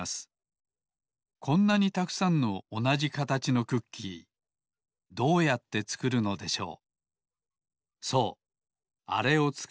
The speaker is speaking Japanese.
こんなにたくさんのおなじかたちのクッキーどうやってつくるのでしょう。